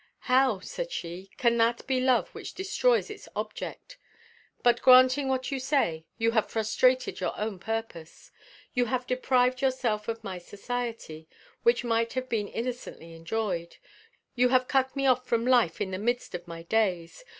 "How," said she, "can that be love which destroys its object? But granting what you say, you have frustrated your own purpose. You have deprived yourself of my society, which might have been innocently enjoyed. You have cut me off from life in the midst of my days.